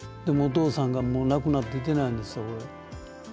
でもお父さんがもう亡くなっていてないんですよこれ。